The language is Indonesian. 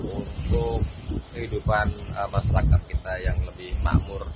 untuk kehidupan masyarakat kita yang lebih makmur